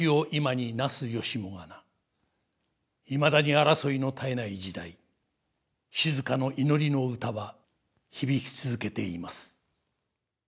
いまだに争いの絶えない時代静の祈りの歌は響き続けています。